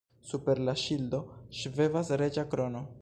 Super la ŝildo ŝvebas reĝa krono.